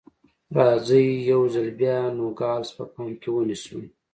راځئ یو ځل بیا نوګالس په پام کې ونیسو.